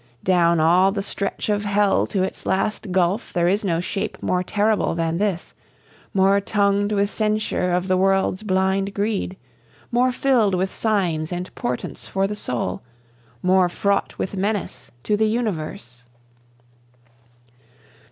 Down all the stretch of Hell to its last gulf There is no shape more terrible than this More tongued with censure of the world's blind greed More filled with signs and portents for the soul More fraught with menace to the universe.